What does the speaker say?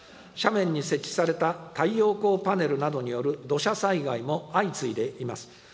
斜面に設置された太陽光パネルなどによる土砂災害も相次いでいます。